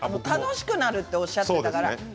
楽しくなるっておっしゃってたから